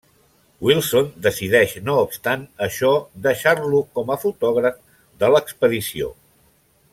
Wilson decideix no obstant això deixar-lo com a fotògraf de l'expedició.